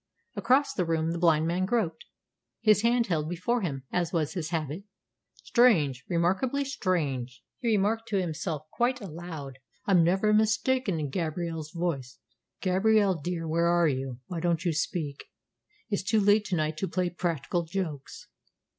Across the room the blind man groped, his hand held before him, as was his habit. "Strange! Remarkably strange!" he remarked to himself quite aloud. "I'm never mistaken in Gabrielle's voice. Gabrielle, dear, where are you? Why don't you speak? It's too late to night to play practical jokes."